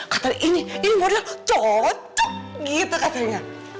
kata ini model cocok gitu katanya